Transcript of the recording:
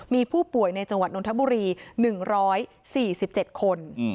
มีผู้ป่วยในจังหวัดนทบุรี๑๔๗คน